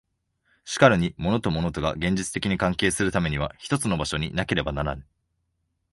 しかるに物と物とが現実的に関係するためには一つの場所になければならぬ。